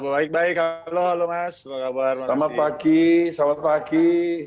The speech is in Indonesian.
baik baik halo mas selamat pagi